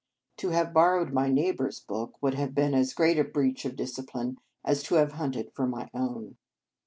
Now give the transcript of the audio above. To have borrowed my neighbour s book would have been as great a breach of disci 227 In Our Convent Days pline as to have hunted for my own.